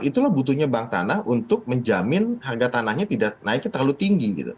itulah butuhnya bank tanah untuk menjamin harga tanahnya tidak naiknya terlalu tinggi gitu